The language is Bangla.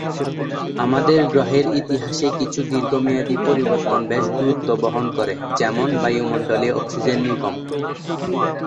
আমাদের গ্রহের ইতিহাসে কিছু দীর্ঘমেয়াদী পরিবর্তন বেশ গুরুত্ব বহন করে- যেমন বায়ুমন্ডলে অক্সিজেন নিগম।